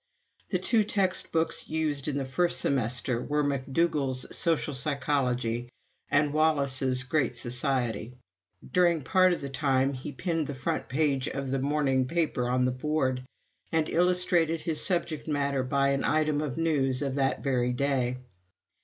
The two textbooks used in the first semester were McDougall's "Social Psychology" and Wallas's "Great Society." During part of the time he pinned the front page of the morning paper on the board, and illustrated his subject matter by an item of news of that very day.